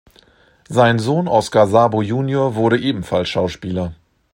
Sein Sohn Oscar Sabo junior wurde ebenfalls Schauspieler.